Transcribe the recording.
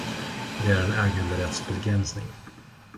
Det är en äganderättsbegränsning.